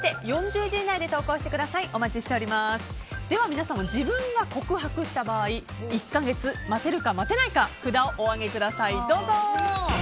皆さんは、自分が告白した場合１か月待てるか待てないか札をお上げください、どうぞ。